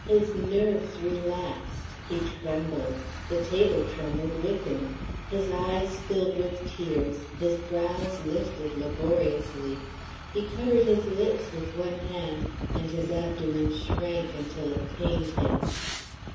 His nerves relaxed, he trembled, the table trembled with him, his eyes filled with tears, his brows lifted laboriously, he covered his lips with one hand, and his abdomen shrank until it pained him.